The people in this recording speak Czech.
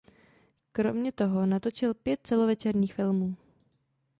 Kromě toho natočil pět celovečerních filmů.